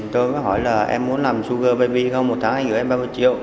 tôi có hỏi là em muốn làm sugar baby không một tháng anh gửi em ba mươi triệu